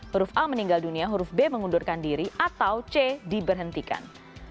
huruf a meninggal dunia huruf b mengundurkan diri atau c diberhentikan